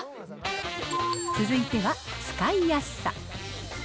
続いては使いやすさ。